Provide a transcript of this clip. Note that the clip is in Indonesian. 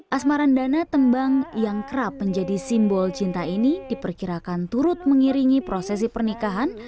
asmaran dana tembang yang kerap menjadi simbol cinta ini diperkirakan turut mengiringi prosesi pernikahan